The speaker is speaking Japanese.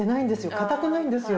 かたくないんですよ。